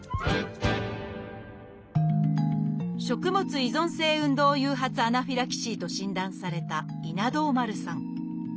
「食物依存性運動誘発アナフィラキシー」と診断された稲童丸さん。